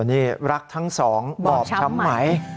นี่รักทั้งสองบอบช้ำไหม